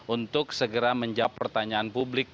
untuk segera menjawab pertanyaan publik